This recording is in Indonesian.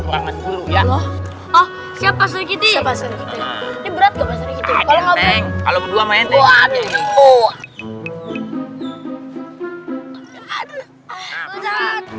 siapa siapa sergiti berat kalau berdua main